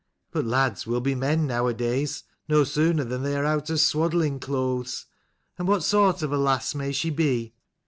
But lads will be men nowadays, no sooner than they are out of swaddling clothes. And what sort of a lass may she be?